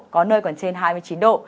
có nơi còn trên hai mươi chín độ